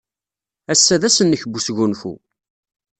Ass-a d ass-nnek n wesgunfu.